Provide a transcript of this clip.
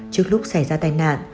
trước lúc xảy ra tai nạn